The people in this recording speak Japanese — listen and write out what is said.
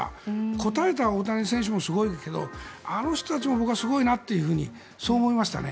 応えた大谷選手もすごいけどあの人たちも僕はすごいなとそう思いましたね。